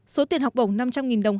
số tiền học bổng năm trăm linh đồng